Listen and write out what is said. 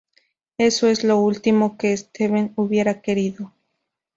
Eso es lo último que Steve hubiera querido".